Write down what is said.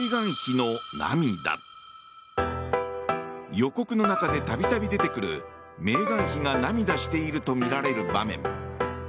予告の中で度々出てくるメーガン妃が涙しているとみられる場面。